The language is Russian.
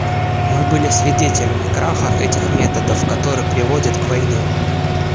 Мы были свидетелями краха этих методов, который приводит к войне.